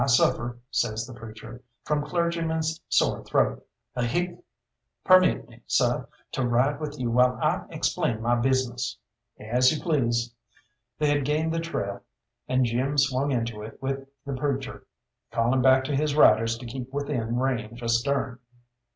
"I suffer," says the preacher, "from clergyman's sore throat ahic! Permit me, seh, to ride with you while I explain my business." "As you please." They had gained the trail, and Jim swung into it with the preacher, calling back to his riders to keep within range astern.